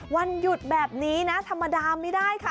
วันหยุดแบบนี้นะธรรมดาไม่ได้ค่ะ